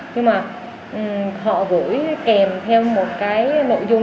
nhưng mà họ gửi kèm theo một cái nội dung